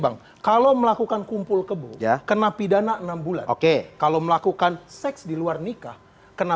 bang kalau melakukan kumpul kebo kena pidana enam bulan oke kalau melakukan seks di luar nikah kena